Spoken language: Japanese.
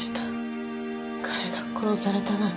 彼が殺されたなんて。